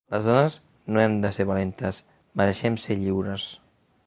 Les dones no hem de ser valentes, mereixem ser lliures.